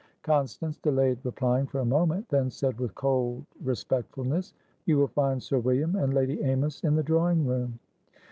Constance delayed replying for a moment, then said with cold respectfulness: "You will find Sir William and Lady Amys in the drawing room."